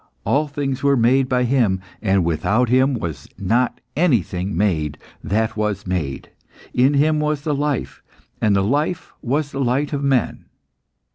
All things were made by Him, and without Him was not anything made that was made. In Him was the life, and the life was the light of men.